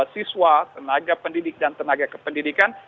siswa tenaga pendidik dan tenaga kependidikan